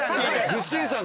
具志堅さん